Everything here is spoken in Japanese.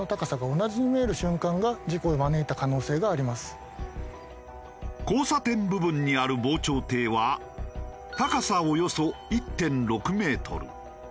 中島氏は交差点部分にある防潮堤は高さおよそ１．６メートル。